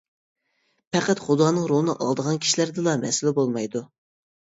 پەقەت خۇدانىڭ رولىنى ئالىدىغان كىشىلەردىلا «مەسىلە بولمايدۇ» .